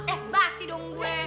eh mbak sih dong gue